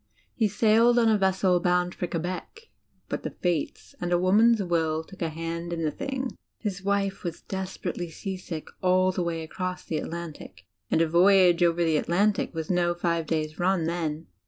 He sailed on a vessel bound for Quebec; but the fates and a woman's will took a hand in the thing. His wife was desper ately seasick all the way across the Atlantic and a voyage over the Adantic was no five days' run then.